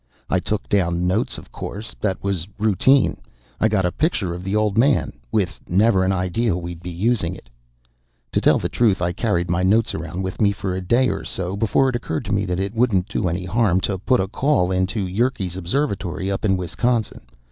I took down notes, of course; that was routine. I got a picture of the old man, with never an idea we'd be using it. "To tell the truth, I carried my notes around with me for a day or so before it occurred to me that it wouldn't do any harm to put a call in to Yerkes Observatory up in Wisconsin.